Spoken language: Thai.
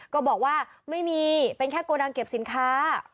ก็บอกว่าไม่มีเป็นแค่โกดังเก็บสินค้า